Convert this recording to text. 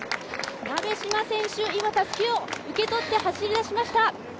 鍋島選手、今、たすきを受け取って走り出しました。